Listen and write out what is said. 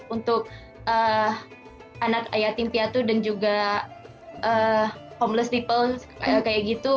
untuk anak yatim piatu dan juga homeless people kayak gitu